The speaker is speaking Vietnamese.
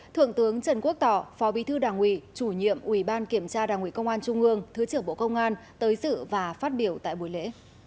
thượng tướng trần quốc tỏ phó bí thư đảng ủy chủ nhiệm ủy ban kiểm tra đảng ủy công an trung ương thứ trưởng bộ công an tới sự và phát biểu tại buổi lễ